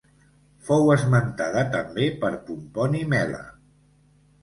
Fou esmentada també per Pomponi Mela.